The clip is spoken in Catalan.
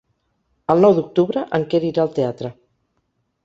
El nou d'octubre en Quer irà al teatre.